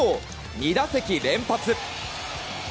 ２打席連発！